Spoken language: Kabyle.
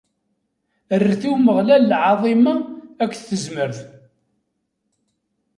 Rret i Umeɣlal lɛaḍima akked tezmert!